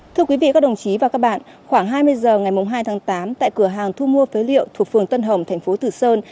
thưa quý vị các đồng chí và các bạn khoảng hai mươi h ngày hai tháng tám tại cửa hàng thu mua phế liệu thuộc phường tân hồng thành phố tử sơn